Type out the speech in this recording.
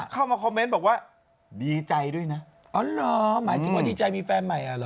เข้ามาคอมเมนต์บอกว่าดีใจด้วยนะอ๋อเหรอหมายถึงว่าดีใจมีแฟนใหม่อ่ะเหรอ